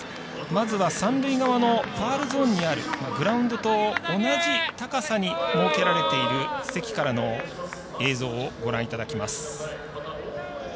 まずは三塁側のファウルゾーンにあるグラウンドと同じ高さに設けられている席からの映像をご覧いただきます。